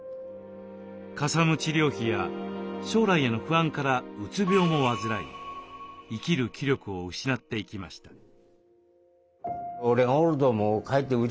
かさむ治療費や将来への不安からうつ病も患い生きる気力を失っていきました。